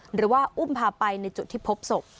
หรือว่าอุ้มพาไปในจุดที่พบศพ